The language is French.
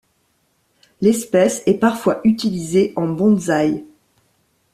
L'espèce est parfois utilisée en bonsaï.